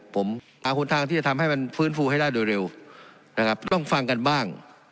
ผมหาหนทางที่จะทำให้มันฟื้นฟูให้ได้โดยเร็วนะครับต้องฟังกันบ้าง